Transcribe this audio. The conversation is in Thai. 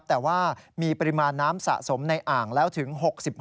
แต่ว่ามีปริมาณน้ำสะสมในอ่างแล้วถึง๖๐